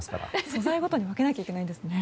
素材ごとに分けなければいけないんですね。